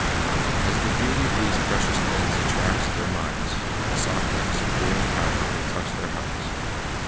As the beauty of these precious things attracts their minds, a softening, subduing power will touch their hearts.